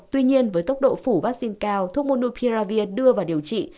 tuy nhiên với tốc độ phủ vaccine cao thuốc monokiravir đưa vào điều trị